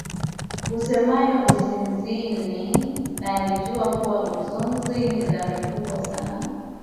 isemayo Usizini na alijua kuwa uzinzi ni dhambi kubwa sana